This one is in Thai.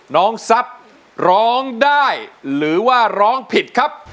น้องซับร้องได้หรือว่าร้องผิด